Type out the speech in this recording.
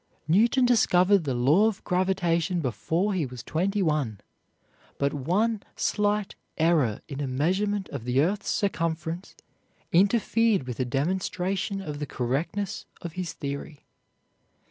Newton discovered the law of gravitation before he was twenty one, but one slight error in a measurement of the earth's circumference interfered with a demonstration of the correctness of his theory.